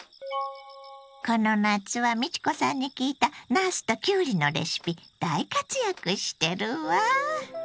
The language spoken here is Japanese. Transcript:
この夏は美智子さんに聞いたなすときゅうりのレシピ大活躍してるわ。